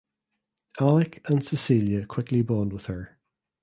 Alec and Cecilia quickly bond with her.